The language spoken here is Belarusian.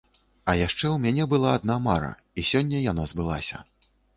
А яшчэ ў мяне была адна мара і сёння яна збылася.